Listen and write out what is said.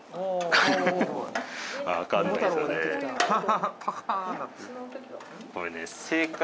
わかんないですよね。